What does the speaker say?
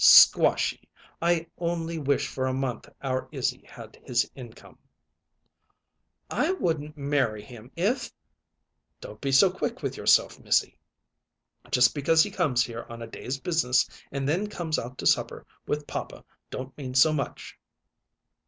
Squashy! I only wish for a month our Izzy had his income." "I wouldn't marry him if " "Don't be so quick with yourself, missy. Just because he comes here on a day's business and then comes out to supper with papa don't mean so much."